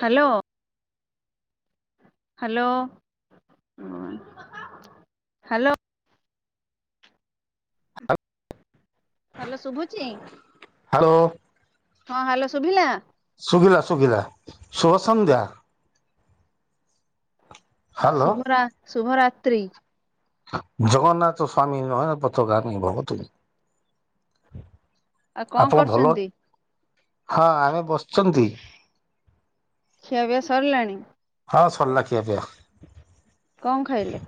Hello. Hello hello. Hello ଶୁଭୁଛି। Hello. ହଁ hello ସୁଭିଲା। ଶୁଭିଲା ଶୁଭିଲା ଶୁଭ ସନ୍ଧ୍ୟା। ହ୍ୟାଲୋ ଶୁଭ ରା ଶୁଭ ରାତ୍ରି। ଜଗନ୍ନାଥ ସ୍ଵାମୀ ନୟନ ପତ ଗାମୀ ଭବ ତୁମେ। ଆଉ କଣ ଆପଣ ଭଲ କରୁଛନ୍ତି ହଁ ଆମେ ବସିଛନ୍ତି। ଖିଆ ପିଆ ସରିଲାଣି। ହଁ ସରିଲା ଖିଆ ପିଆ। କଣ ଖାଇଲେ।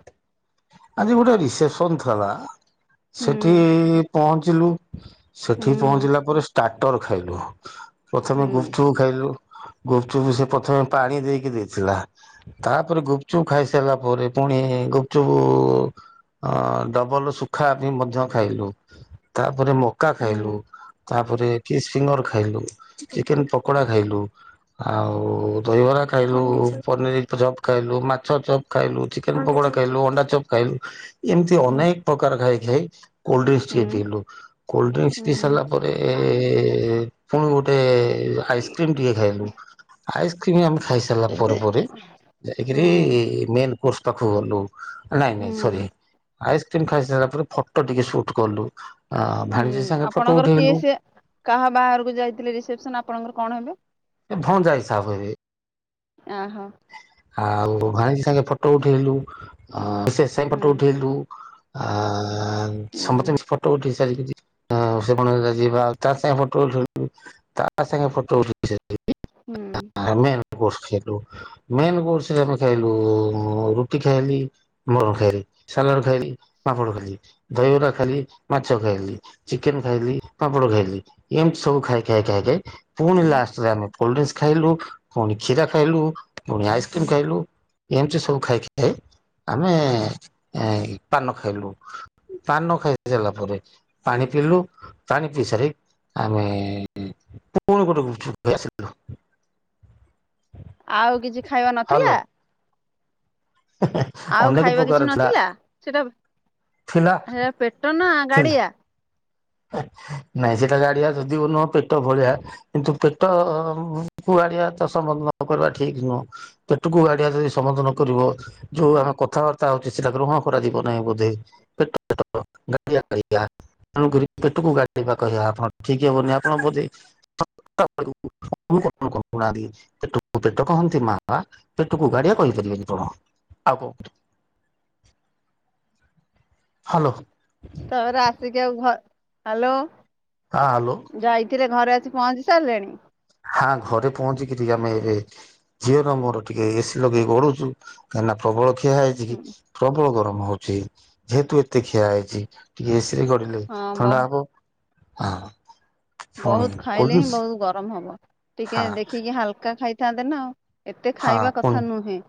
ଆଜି ଗୋଟେ ରିସେପସନ ଥିଲାଵା ହୁଁ ସେଠି ପହଞ୍ଚିଲୁ। ସେଠି ହୁଁ ପହଞ୍ଚିଲା ପରେ ଷ୍ଟାର୍ଟର ଖାଇଲୁ ପ୍ରଥମେ ଗୁପ ହୁଁ ଚୁପ୍ ଖାଇଲୁ। ଗୁପଚୁପ୍ ସେ ପ୍ରଥମେ ପାଣି ଦେଇକି ଦିଏ। ଥିଲା ତାପରେ ଗୁପଚୁପ ଖାଇସାରିଲା ପରେ ପୁଣି ଗୁପଚୁପ ଅ ଡବଲ ଶୁଖା ବି ମଧ୍ୟ ଖାଇଲୁ ତା ତାପରେ ମକା ଖାଇଲୁ ହୁଁ ତାପରେ କିସ୍ ଫିଙ୍ଗର ଖାଇଲୁ। ଚିକେନ ପକୋଡା ଖାଇଲୁ ଆଉ ଦହିବରା ଖାଇଲୁ। ଖାଇଲୁ ପନିର ଚପ୍ ଖାଇଲୁ, ମାଛ ଚପ୍ ଖାଇଲୁ, ଚିକେନ ପକୋଡା ଖାଇଲୁ, ଅଣ୍ଡା ଚପ୍ ଖାଇଲୁ। ଏମିତି ହୁଁ ଅନେକ ପ୍ରକାର ଖାଇ ଖାଇ କୋଲଡ୍ରିଙ୍କସ ହୁଁ ଟିକେ ପିଇଲୁ କୋଲଡ୍ରିଙ୍କସ ପିଇ ହୁଁ ସାରିଲା ପରେ ଏଁ ପୁଣି ଗୋଟେ ଆଇସ୍କ୍ରିମ ଟିକେ ଖାଇଲୁ ଆଇସ୍କ୍ରିମ ଆମ ସାରିଲା ପରେ ପରେ ହୁଁ ଯାଇକରି ମେନ୍ କୋର୍ସ ପାଖକୁ ଗଲୁ। ନାଇଁ ନାଇଁ ସରି ହୁଁ ଆଇସ୍କ୍ରିମ ଖାଇସାରିଲା ପରେ ଫଟୋ ଟିକେ ସୁଟ କଲୁ। ଆ ହୁଁ ଭାଣିଜୀ ସାଙ୍ଗେ ଫଟୋ ଆପଣଙ୍କର ଉଠେଇଲୁ କିଏ ସେ କାହା ବାହାରକୁ ଯାଇଥିଲେ ରିସେପସନ ଆପଣଙ୍କର କଣ ହେବେ। ଭଣଜା ହିସାବ ହେବେ। ଆ ହଁ। ଆଉ ଭଣଜୀ ସାଙ୍ଗେ ଫଟୋ ଉଠେଇଲୁ ବିଶେଷ ସାଙ୍ଗେ ହୁଁ ଫଟୋ ଉଠେଇଲୁ ଆ। ଆ ହୁଁ ସମସ୍ତ ମିଶି ଫଟୋ ଉଠେଇଲୁ। [inaudible] ସେ ଯିବା ଆଉ ତା ସାଙ୍ଗେ ଫଟୋ ଉଠେଇ ତା ସାଙ୍ଗେ ଫଟୋ ଉଠେଇ ହୁଁ [inaudible] ଆମେ ବସିଥିଲୁ। ମେ କୋରସ ରେ ଆମେ ଖାଇଲୁ ରୁଟି ଖାଇଲି ମର ଖାଇଲି ସାଲାଟ ଖାଇଲି। ପାପଡ଼ ଖାଇଲି ଦହି ଖାଇଲି ମାଛ ଖାଇଲି ଚିକେନ ଖାଇଲି ପାପଡ଼ ଖାଇଲି ଏମତି ସବୁ। ସବୁ ଖାଇ ଖାଇ ଖାଇକ ପୁଣି ହୁଁ ଲାଷ୍ଟରେ ଆମେ କୋଲଡ ଡ୍ରିଙ୍କସ ଖାଇଲୁ ପୁଣି କ୍ଷୀର ଖାଇଲୁ। ପୁଣି ଆଇସ୍କ୍ରିମ ଖାଇଲୁ ଏମିତି ସବୁ ଖାଇକି ଖାଇ ଆମେ ଏ ପାନ ଖାଇଲୁ। ପାନ ଖାଇସାରିଲା ପରେ, ପାଣି ପିଇଲୁ, ପାଣି ପିଇ ସାରି ଆମେ ପୁଣି ଗୋଟେଛୁ [unintelligible] ଆସଥିଲୁ। ଆଉ କିଛି ଖାଇବା ନଥିଲା? ଆଉ ଅନେକ ଖାଇବା ପ୍ରକାର କିଛି ଥିଲା ନଥିଲା? ସେଟା ଥିଲା ହେ ପେଟ ନା ଥିଲା ଗାଡିଆ। ନାଇଁ ସେଟା ଗାଡିଆ ଯଦି ନୁହଁ, ପେଟ ଭଳିଆ କିନ୍ତୁ ପେଟ କୁ ଆଡିଆ ତ ସମ୍ ନ କରିବା ଠିକ ନୁହଁ, ପେଟକୁ ଗାଡିଆ ଯଦି ସମ୍ବଧ ନ କରିବ। ଯୋଉ ଆମେ କଥାବାର୍ତ୍ତା ହଉଛେ ସେଟା ଗ୍ରହଣ କରାଯିବ ନାହିଁ ବୋଧେ, ପେଟ ପେଟ, ଗାଡିଆ ଗାଡିଆ। ଆଣ ପେଟକୁ [inaudible] ଗାଡିବା କରିବା ଆପଣ ଠିକ ହବନି ଆପଣ ବୋଧେ [unintelligible] [unintelligible] [inaudible] ହାଲୋ। ତାପରେ ଆସିକି ଆଉ ଘ, ହାଲୋ ହ୍ୟାଲୋ ଯାଇଥିଲେ ଘରେ ପହଞ୍ଚି ସାରିଲେଣି। ହଁ ଘରେ ପହଞ୍ଚି କିଛି ଆମେ ଏବେ ଝିଅର ମୋର ଟିକେ ଏସିି ଲଗେଇି ଗଢୁଛୁ। କାହିଁକିନା ପ୍ରବଳ ଖିଆ ହେଇଛି, ପ୍ରବଳ ଗରମ ହଉଛି, ଯେହେତୁ ଏତେ ଖିଆ ହେଇଛି, ଟିକେ ଗଡ଼ିଲେ ହଁ ବ ଥଣ୍ଡା ହବ, ହଁ। ପୁଣି ବହୁତ ଖାଇଲେ ହିଁ କୋଲଡ୍ରିଙ୍କସ୍ ବହୁତ ଗରମ ହବ, ଟିକେ ହଁ ଦେଖିକି ହାଲକା ଖାଇଥାନ୍ତେ ନା ଆଉ। ଏତେ ହଁ ଖାଇବା ପୁଣି କଥା ନୁହେଁ,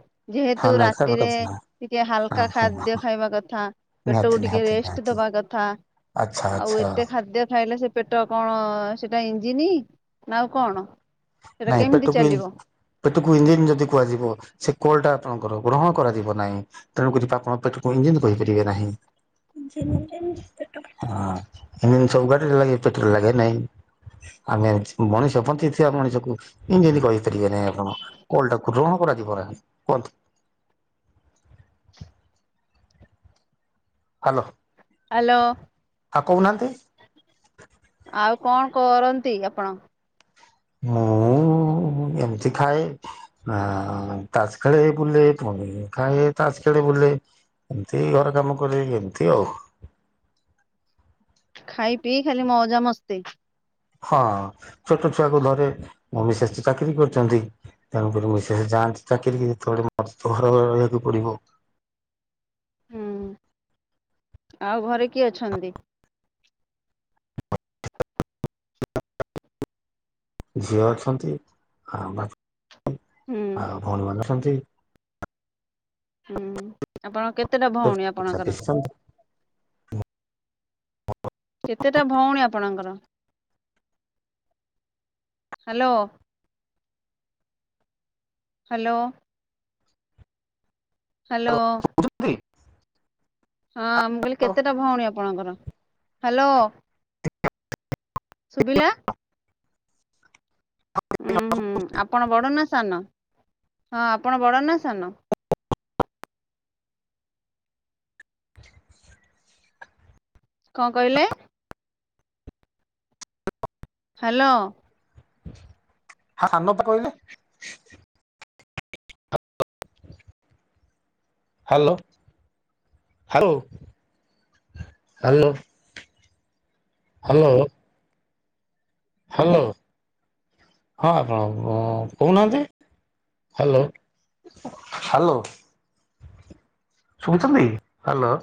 ହଁ ଯେହେତୁ ନାଇଁ ଖାଇବା ରାତିରେ କଥା ଟିକେ ହଁ ହାଲକା ହଁ ହଁ ଖାଦ୍ୟ ଖାଇବା କଥା। ନିହାତି ପେଟକୁ ଟିକେ ନିହାତି ରେଷ୍ଟ ନିହାତି ଦବା କଥା, ଆଚ୍ଛା ଆଉ ଆଚ୍ଛା ଏତେ ଖାଦ୍ୟ ଖାଇଲେ ସେ ପେଟ କଣ ସେଟା ଇଞ୍ଜିିନି ନା ଆଉ କଣ? ସେଟା ନାଇଁ କେମିତି ପେଟକୁ ଚାଲିବ? ପେଟକୁ ଇଞ୍ଜିିନ ଯଦି କୁହାଯିବ, ସେ କଲ୍ ଟା ଆପଣଙ୍କର ଗ୍ରହଣ କରାଯିବ ନାହିଁ, ତେଣୁ କରି ଆପଣ ପେଟକୁ ଇଞ୍ଜନ୍ କହିପାରିବେ ନାହିଁ। ହଁ ହେଲେ ସବୁ ଗାଡ଼ିରେ ଲାଗେ ପେଟ୍ରୋଲ ଲାଗେ ନାଇଁ। [unintelligible] ଆମେ ମଣିଷ ପ ସେ ମଣିଷକୁ ଇଞ୍ଜିନ କହିପାରିବେ ନାହିଁ ଆପଣ, କଲଟାକୁ ଗ୍ରହଣ କରାଯିବ ନାହିଁ, କୁହନ୍ତୁ? [inaudible] ହାଲୋ। ହାଲୋ, ଆଉ କହୁନାହାନ୍ତି। ଆଉ କଣ କରନ୍ତି ଆପଣ? ମୁଁ ଏମିତି ଖାଏ, ତାସ୍ ଖେଳେ ବୁଲେ, ପୁଣି ଖାଏ ତାସ୍ ଖେଳେ। ବୁଲେ ଏମିତି ଘର କାମ କରେ ଏମିତି ଆଉ। [inaudible] ଖାଇ ପିଇ ଖାଲି ମଜା ମସ୍ତି। ହଁ ଛୋଟ ଛୁଆକୁ ଧରେ, ମମି ସେ ତ ଚାକିରି କରିୁଛନ୍ତି, ତେଣୁକରି ମୁ ସେ ଚାକିରି ଯେତେବେଳେ [inaudible] ଘରେ ରହିବାକୁ ପଡିବ। [inaudible] ହୁଁ ଆଉ ଘରେ କିଏ ଅଛନ୍ତି? ଝିଅ ଅଛନ୍ତି, ଆ ହୁଁ ଆଉ ଭଉଣୀମାନେ ଅଛନ୍ତି। ହୁଁ, ଆପଣ କେତେଟା ଭଉଣୀ, ଆପଣଙ୍କର? କେତେଟା ଭଉଣୀ ଆପଣଙ୍କର? Hello hello. ହାଲୋ ହଁ, ମୁଁ କହିଲି କେତେଟା ଭଉଣୀ ଆପଣଙ୍କର? ହାଲୋ ଶୁବିଲା? ହୁଁ ହୁଁ ଆପଣ ବଡ଼ ନା ସାନ! ହଁ ଆପଣ ବଡ଼ ନା ସାନ? [inaudible] [inaudible] କଣ କହିଲେ? ହାଲୋ! ହଁ ସାନ ପା କହିଲି। Hello, hello, hello! Hello! Hello, ହଁ ଆପଣ କହୁନାହାନ୍ତି? Hello, hello! ଶୁଣୁଛନ୍ତି ହ୍ୟାଲୋ!